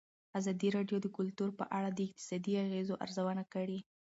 ازادي راډیو د کلتور په اړه د اقتصادي اغېزو ارزونه کړې.